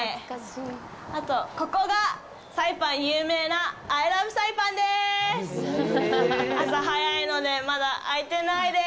あと、ここがサイパンで有名なアイ・ラブ・サイパンです。